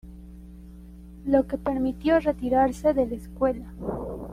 Lo que permitió retirarse de la escuela.